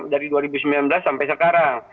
dari dua ribu sembilan belas sampai sekarang